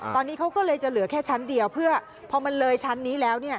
ตอนนี้เขาก็เลยจะเหลือแค่ชั้นเดียวเพื่อพอมันเลยชั้นนี้แล้วเนี่ย